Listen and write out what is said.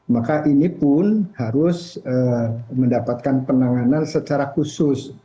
maka ini pun harus mendapatkan penanganan secara khusus